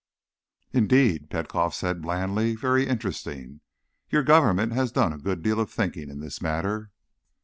"Indeed," Petkoff said blandly. "Very interesting. Your government has done a good deal of thinking in this matter."